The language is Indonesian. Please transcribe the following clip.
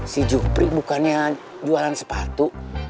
si jupri bukannya jualan sepatu